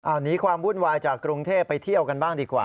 อันนี้ความวุ่นวายจากกรุงเทพไปเที่ยวกันบ้างดีกว่า